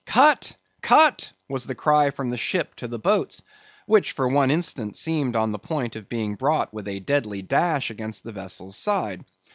"Cut, cut!" was the cry from the ship to the boats, which, for one instant, seemed on the point of being brought with a deadly dash against the vessel's side.